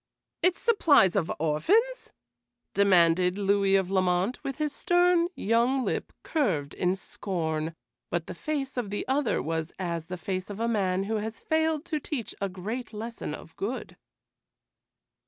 "Its supplies of orphans?" demanded Louis of Lamont, with his stern young lip curved in scorn; but the face of the other was as the face of a man who has failed to teach a great lesson of good.